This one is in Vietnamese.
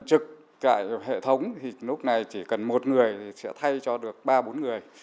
trực hệ thống thì lúc này chỉ cần một người thì sẽ thay cho được ba bốn người